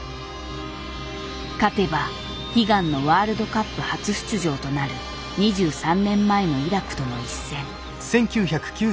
勝てば悲願のワールドカップ初出場となる２３年前のイラクとの一戦。